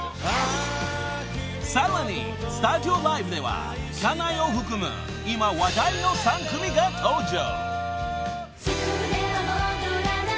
［さらにスタジオライブではきゃないを含む今話題の３組が登場］